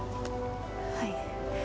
はい。